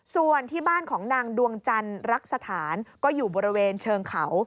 ส่วนที่บ้านของนางดวงจันทร์รักสถานก็อยู่บริเวณเชิงเขา